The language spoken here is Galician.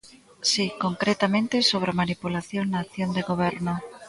Si, concretamente sobre a manipulación na acción de goberno.